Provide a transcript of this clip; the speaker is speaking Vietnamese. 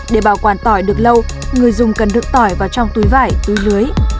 để bảo quản tỏi được lâu người dùng cần đựng tỏi vào trong túi vải túi lưới